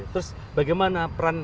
terus bagaimana peran